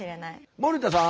森田さん？